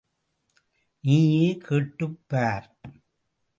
நீயே கேட்டுப் பார்!